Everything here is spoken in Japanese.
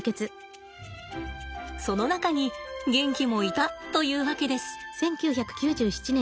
その中にゲンキもいたというわけです。